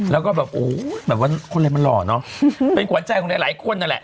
แล้วก็แบบโอ้แบบว่าคนอะไรมันหล่อเนอะเป็นขวัญใจของหลายคนนั่นแหละ